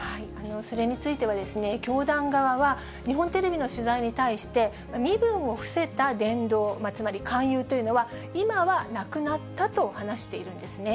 それについては、教団側は、日本テレビの取材に対して、身分を伏せた伝道、つまり勧誘というのは、今はなくなったと話しているんですね。